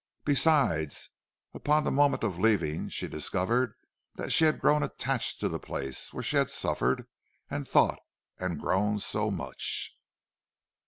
Besides, upon the moment of leaving she discovered that she had grown attached to the place where she had suffered and thought and grown so much.